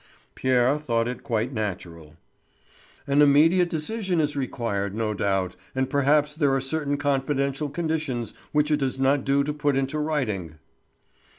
Pierre thought it quite natural. "An immediate decision is required, no doubt; and perhaps there are certain confidential conditions which it does not do to put into writing."